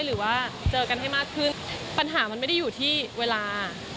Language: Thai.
หรือว่าเจอกันให้มากขึ้นปัญหามันไม่ได้อยู่ที่เวลา